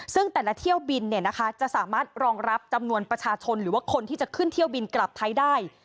ซึ่งแต่ละเที่ยวบินจะสามารถรองรับจำนวนประชาชนหรือว่าคนที่จะขึ้นเที่ยวบินกลับไทยได้